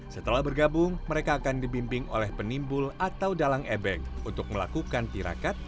setelah bergabung mereka akan dibimbing oleh penimbul atau dalang ebeng untuk melakukan tirakat